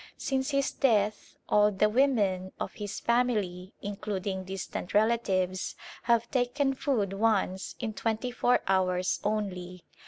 Since his death all the women of his family, including distant relatives, have taken food once in twenty four hours only.